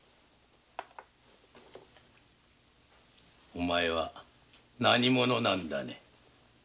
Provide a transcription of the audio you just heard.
お前は何者なんだね？